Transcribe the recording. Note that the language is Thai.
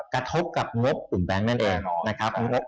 กระทบกับงบตัวลงเป้ย์น์นั่นเอง